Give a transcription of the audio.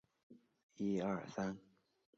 诺尔辰角亦可以由挪威沿岸游船看到。